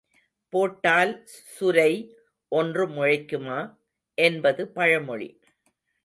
போட்டால் சுரை ஒன்று முளைக்குமா? என்பது பழமொழி.